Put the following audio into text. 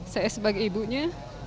saya sebagai ibunya